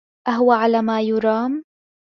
أهوَ على ما يرام؟